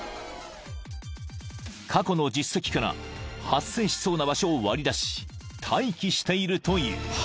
［過去の実績から発生しそうな場所を割り出し待機しているという］